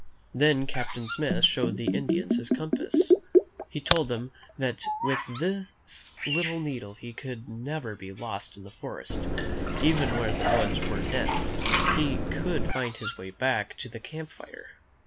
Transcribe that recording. Then Captain Smith showed the Indians his compass. He told them that with this little needle he could never be lost in the forest ; even where the woods were dense, he could find his way back to the camp fire.